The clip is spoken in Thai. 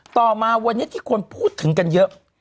ต่อมาวันนี้ที่คนพูดถึงกันเยอะ